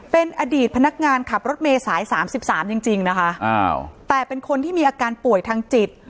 เป็นอดีตพนักงานขับรถเมย์สาย๓๓จริงนะคะแต่เป็นคนที่มีอาการป่วยทางจิต